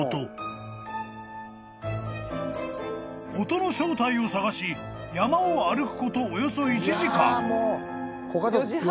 ［音の正体を探し山を歩くことおよそ１時間］